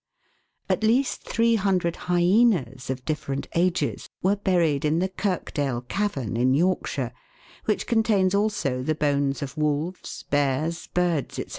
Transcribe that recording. At least 300 hyaenas of different ages were buried in the Kirkdale cavern in Yorkshire, which contains also the bones of wolves, bears, birds, &c.